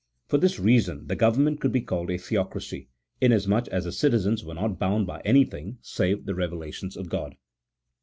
For this reason the government conld be called a Theocracy, inasmuch as the citizens were not bound by anything save the revelations of God.